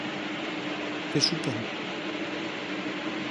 Que supón?